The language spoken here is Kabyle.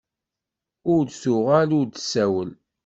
Ur d-tuɣal ur d-tsawel.